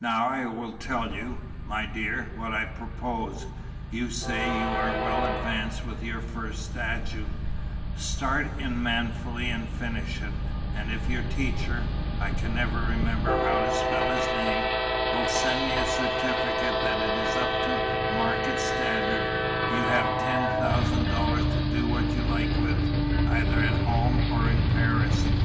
"Now I will tell you, my dear, what I propose. You say you are well advanced with your first statue; start in manfully and finish it, and if your teacher I can never remember how to spell his name will send me a certificate that it is up to market standard, you shall have ten thousand dollars to do what you like with, either at home or in Paris.